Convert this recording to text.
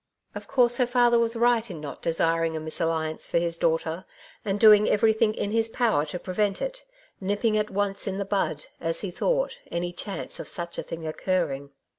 Of course her father was right in not desiring a misalliance for his daughter, and doing everything in his power to prevent it, nipping at once in the bud, as he thought, any chance of such a thing occurring.